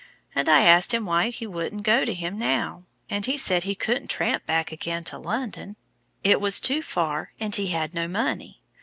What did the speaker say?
And I asked him why he wouldn't go to him now, and he said he couldn't tramp back again to London, it was too far, and he had no money.